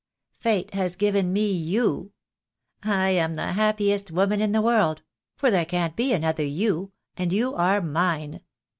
Fate has given me you. I am the happiest woman in the world — for there can't be another you, and you are mine.